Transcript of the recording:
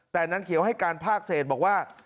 แต่นางเขียวให้การภาคเศษบอกว่า